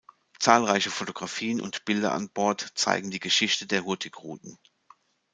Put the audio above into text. Zahlreiche Fotografien und Bilder an Bord zeigen die Geschichte der Hurtigruten.